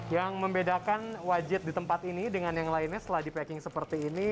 yang membedakan wajib di tempat ini dengan yang lainnya setelah di packing seperti ini